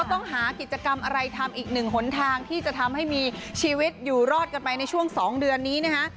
ต้องหากิจกรรมอะไรทำอีกหนึ่งหนทางที่จะทำให้มีชีวิตอยู่รอดกันไปในช่วง๒เดือนนี้นะคะ